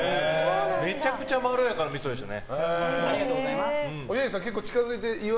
めちゃくちゃまろやかなみそでしたね。